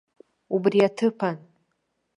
Убри аҭыԥан.